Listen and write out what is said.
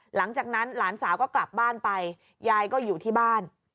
หลังจากนั้นหลานสาวก็กลับบ้านไปยายก็อยู่ที่บ้าน